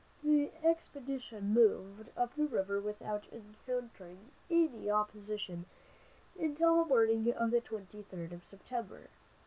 The expedition moved up the river without encountering any opposition until the morning of the twenty third of September.